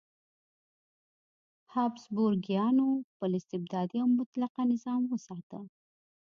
هابسبورګیانو خپل استبدادي او مطلقه نظام وساته.